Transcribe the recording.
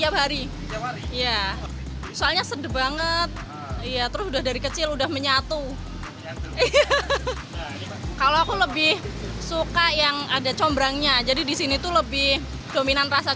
buat sahur juga cocok